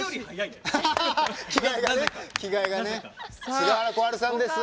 菅原小春さんです。